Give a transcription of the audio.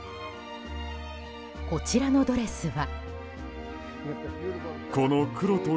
こちらのドレスは。